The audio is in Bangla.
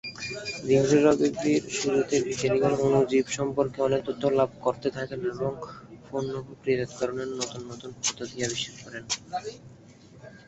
বিংশ শতাব্দীর শুরুতে বিজ্ঞানীগণ অণুজীব সম্পর্কে অনেক তথ্য লাভ করতে থাকেন এবং পণ্য প্রক্রিয়াজাতকরণের নতুন নতুন পদ্ধতি আবিষ্কার করেন।